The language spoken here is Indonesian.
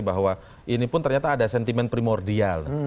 bahwa ini pun ternyata ada sentimen primordial